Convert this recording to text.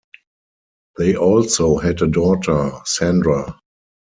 They also had a daughter, Sandra.